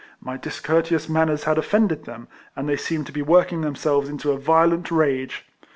My discourteous manners had offended them, and they seemed to be working themselves up into a F 98 RECOLLECTIONS OF violent rage.